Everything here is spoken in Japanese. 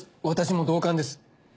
私も同感です。